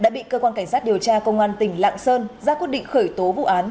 đã bị cơ quan cảnh sát điều tra công an tỉnh lạng sơn ra quyết định khởi tố vụ án